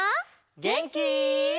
げんき？